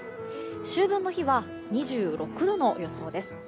秋分の日は２６度の予想です。